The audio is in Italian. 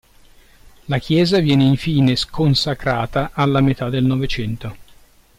La chiesa viene infine sconsacrata alla metà del Novecento.